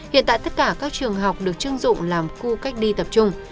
hiện tại tất cả các trường học được chưng dụng làm khu cách ly tập trung